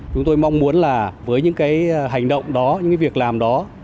chúng tôi mong muốn là với những cái hành động đó những cái việc làm đó